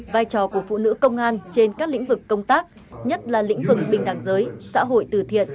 vai trò của phụ nữ công an trên các lĩnh vực công tác nhất là lĩnh vực bình đẳng giới xã hội từ thiện